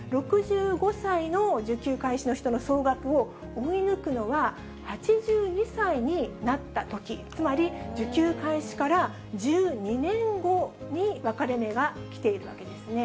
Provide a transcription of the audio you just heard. ６５歳の受給開始の人の総額を追い抜くのは、８２歳になったとき、つまり受給開始から１２年後に分かれ目が来ているわけですね。